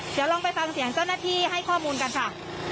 เดี๋ยวลองไปฟังเสียงเจ้าหน้าที่ให้ข้อมูลกันค่ะ